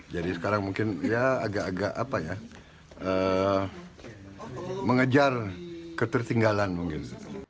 jadi sekarang mungkin ya agak agak apa ya mengejar ketertinggalan mungkin